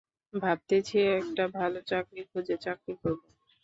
ভাবতেছি একটা ভালো চাকরি খোঁজে চাকরি করবো।